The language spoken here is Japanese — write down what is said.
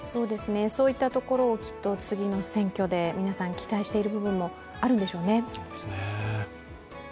そういったところをきっと次の選挙で期待している部分もあるんでしょうね。